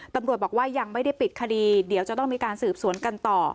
ตำรวจบอกว่ายังไม่ได้ปิดคดีเดี๋ยวจะต้องมีการสืบสวนกันต่อ